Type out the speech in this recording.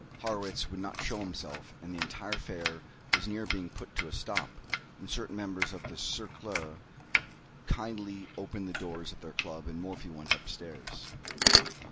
Harrwitz would not show himself, and the entire affair was near being put a stop to, when certain members of the Cercle kindly opened the doors of their Club, and Morphy went up stairs.